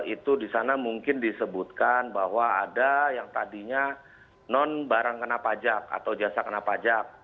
itu di sana mungkin disebutkan bahwa ada yang tadinya non barang kena pajak atau jasa kena pajak